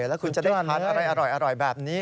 แล้วคุณจะได้ทานอะไรอร่อยแบบนี้